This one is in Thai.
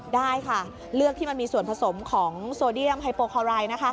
ได้ค่ะเลือกที่มันมีส่วนผสมของโซเดียมไฮโปคอไรนะคะ